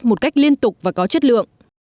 một cách liên tục và có chất lượng